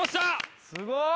すごい！